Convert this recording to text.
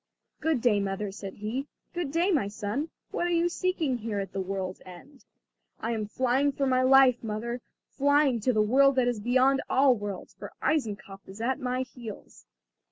"Good day, mother," said he. "Good day, my son! What are you seeking here at the world's end?" "I am flying for my life, mother, flying to the world that is beyond all worlds, for Eisenkopf is at my heels."